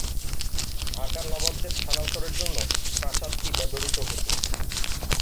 ঢাকার নবাবদের স্থানান্তরের জন্য প্রাসাদটি ব্যবহৃত হতো।